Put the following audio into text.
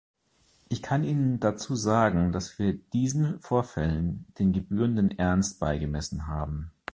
Ich kann Ihnen dazu sagen, dass wir diesen Vorfällen den gebührenden Ernst beigemessen haben.